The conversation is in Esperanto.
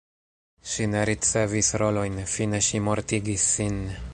Ŝi ne ricevis rolojn, fine ŝi mortigis sin.